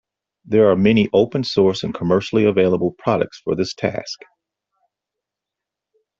There are many open source and commercially available products for this task.